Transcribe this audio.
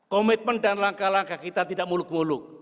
komitmen dan langkah langkah kita tidak muluk muluk